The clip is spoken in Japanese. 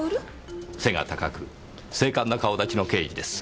背が高く精悍な顔立ちの刑事です。